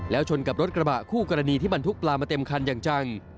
แล้วชนกับรถกระบะคู่กรณีที่บรรทุกปลามาเต็มคันอย่างจัง